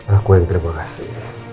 aku yang terima kasih